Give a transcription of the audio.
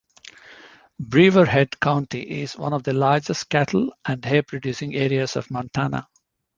Beaverhead County is one of the largest cattle and hay producing areas of Montana.